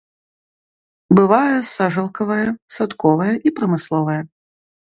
Бывае сажалкавае, садковае і прамысловае.